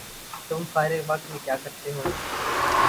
تم فارغ وقت میں کیاکرتےہو؟